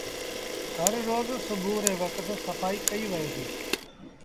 هر روز سُوڀو ري وکت سڦآئيٚ ڪئيٚ وئي ديٚ۔